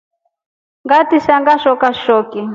Ini ngatisha Ngashoka shoki.